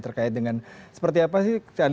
terkait dengan seperti apa sih